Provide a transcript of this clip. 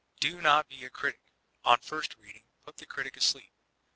Do not be a critic, on first reading; put the critic asleep.